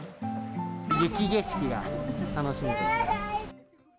雪景色が楽しみですね。